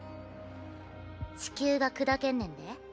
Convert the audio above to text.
地球が砕けんねんで。